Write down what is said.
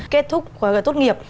kết thúc và tốt nghiệp